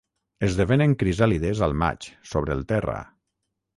Esdevenen crisàlides al maig sobre el terra.